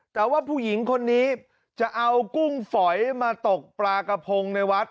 แต่ว่าผู้หญิงคนนี้จะเอากุ้งฝอยมาตกปลากระพงในวัด